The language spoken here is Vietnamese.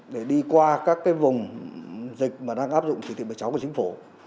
để đi qua các cái vùng dịch mà đang áp dụng thủy thị bài cháu của chính phủ